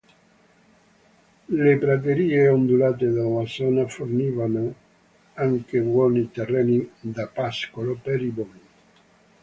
Le praterie ondulate della zona fornivano anche buoni terreni da pascolo per i bovini.